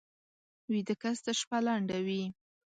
ویده کس ته شپه لنډه وي